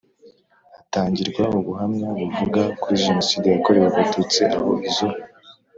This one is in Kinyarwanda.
hatangirwa ubuhamya buvuga kuri Jenoside yakorewe Abatutsi aho izo